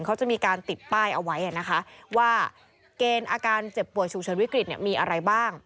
เขาจะมีการติดป้ายเอาไว้นะคะว่าเกณฑ์อาการเจ็บป่วยฉุกเฉินวิกฤตมีอะไรบ้าง